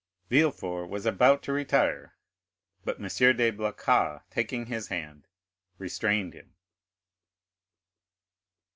Villefort was about to retire, but M. de Blacas, taking his hand, restrained him.